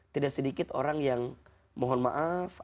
tidak sedikit orang yang mohon maaf